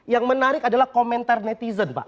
yang menarik adalah komentar netizen pak